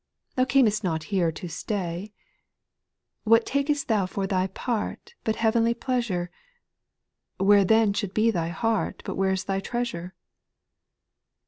Thou cam'st not here to stay ; What tak'st thou for thy part, But heavenly pleasure ? Where then should be thy heart, But where 's thy treasure